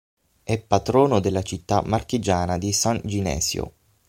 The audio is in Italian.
È patrono della città marchigiana di San Ginesio.